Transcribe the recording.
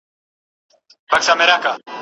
هوسېږو ژوندانه د بل جهان ته